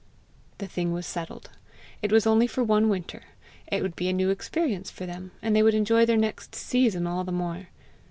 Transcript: The thing was settled. It was only for one winter! It would be a new experience for them, and they would enjoy their next SEASON all the more!